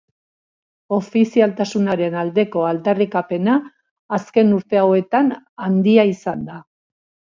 Ofizialtasunaren aldeko aldarrikapena azken urte hauetan handia izan da.